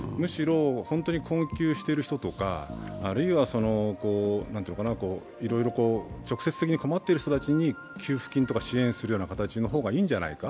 本当に困窮している人とか、あるいはいろいろ直接的に困っている人たちに給付金とか支援するような形の方がいいんじゃないか。